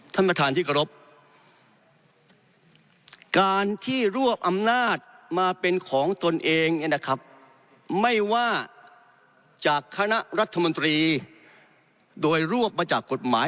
ต้องการที่กรบการที่ร่วมอำนาจมาเป็นของตนเองนะครับไม่ว่าจากคณะรัฐมนตรีโดยร่วมมาจากกฎหมาย